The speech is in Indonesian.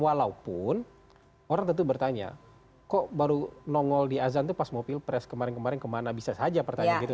walaupun orang tentu bertanya kok baru nongol di azan itu pas mau pilpres kemarin kemarin kemana bisa saja pertanyaan gitu